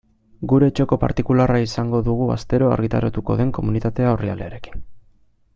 Gure txoko partikularra izango dugu astero argitaratuko den Komunitatea orrialdearekin.